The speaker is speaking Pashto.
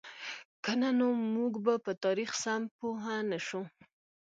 که نه نو موږ به په تاریخ سم پوهـ نهشو.